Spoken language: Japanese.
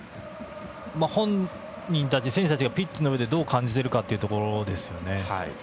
本人たち、選手たちがピッチの上でどう感じているかというところですよね。